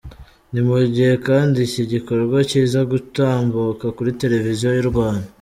Ni mu gihe kandi iki gikorwa kiza gutambuka kuri Televiziyo y’u Rwanda.